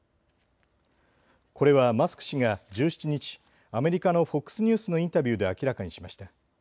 これはマスク氏が１７日、アメリカのＦＯＸニュースのインタビューで明らかにしました。